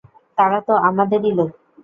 তারা তো আমাদেরই লোক।